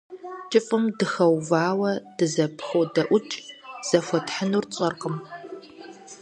КӀыфӀым дыхэувауэ, дызэпходэӀукӀ – зыхуэтхьынур тщӀэркъым.